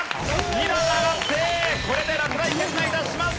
２段上がってこれで落第圏内脱します。